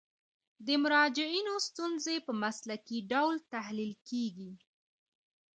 د مراجعینو ستونزې په مسلکي ډول تحلیل کیږي.